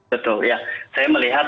betul saya melihat